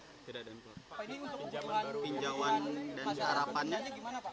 tapi untuk kebutuhan pinjauan dan harapannya gimana pak